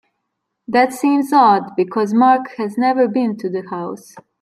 That seems odd because Mark has never been to the house.